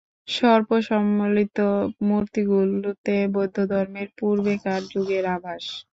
সর্পসম্বলিত মূর্তিগুলিতে বৌদ্ধধর্মের পূর্বেকার যুগের আভাস।